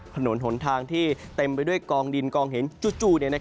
ถนนหนทางที่เต็มไปด้วยกองดินกองเห็นจู่